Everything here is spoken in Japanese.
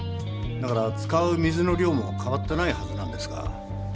だから使う水の量もかわってないはずなんですが。